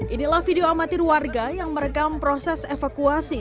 inilah video amatir warga yang merekam proses evakuasi